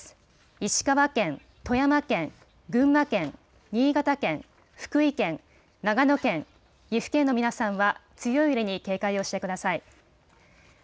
石川県、富山県、群馬県、新潟県、福井県、長野県、岐阜県の皆さんは強い揺れに警戒をしてください。